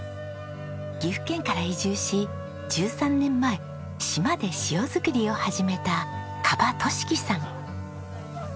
岐阜県から移住し１３年前島で塩作りを始めた蒲敏樹さん。